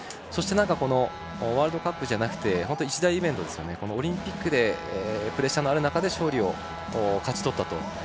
そしてワールドカップじゃなくて一大イベント、オリンピックでプレッシャーもある中勝利を勝ち取ったと。